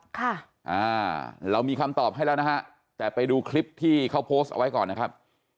ค่ะอ่าเรามีคำตอบให้แล้วนะฮะแต่ไปดูคลิปที่เขาโพสต์เอาไว้ก่อนนะครับ